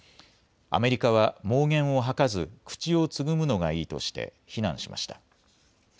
アメリカは妄言を吐かず口をつぐむのがいいとして非難しました。